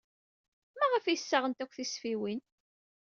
Maɣef ay ssaɣent akk tisfiwin?